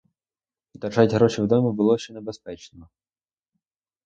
Держать гроші в домі було ще небезпечно.